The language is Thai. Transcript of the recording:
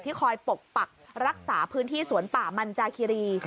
คอยปกปักรักษาพื้นที่สวนป่ามันจาคิรี